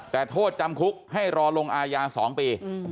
แต่โทษจำคุกให้รอลงอาญา๒ปี